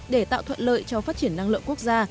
để tạo thuận lợi cho phát triển năng lượng quốc gia